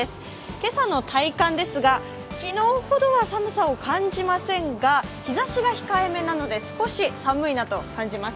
今朝の体感ですが、昨日ほどは寒さは感じませんが日ざしが控えめなので少し寒いなと感じます。